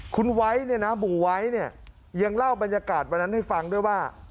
คุณไว้เนี่ยนะหมู่ไว้เนี่ยยังเล่าบรรยากาศวันนั้นให้ฟังด้วยว่า